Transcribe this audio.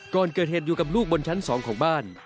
ก่อนเกิดเหตุอยู่กับลูกบนชั้น๒ของบ้าน